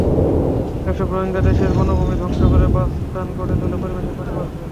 এসব রোহিঙ্গা দেশের বনভূমি ধ্বংস করে বাসস্থান গড়ে তুলে পরিবেশের ক্ষতি করছে।